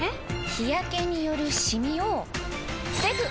日やけによるシミを防ぐ！